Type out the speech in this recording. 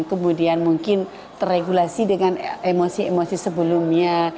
kemudian mungkin terregulasi dengan emosi emosi sebelumnya